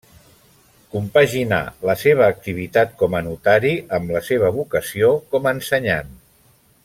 Compaginà la seva activitat com a notari amb la seva vocació com a ensenyant.